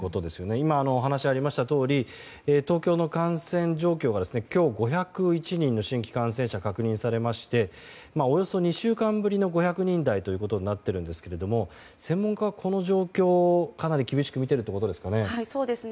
今、お話にありましたとおり東京の感染状況は今日５０１人の新規感染者が確認されましておよそ２週間ぶりの５００人台となっているんですが専門家はこの状況をかなり厳しく見ているということですかね。